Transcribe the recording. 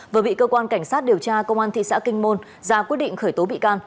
vừa bị cơ quan cảnh sát điều tra công an thị xã kinh môn ra quyết định khởi tố bị can